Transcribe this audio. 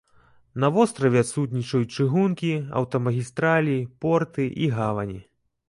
На востраве адсутнічаюць чыгункі, аўтамагістралі, порты і гавані.